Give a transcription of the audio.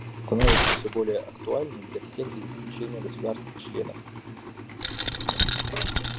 Она становится все более актуальной для всех без исключения государств-членов.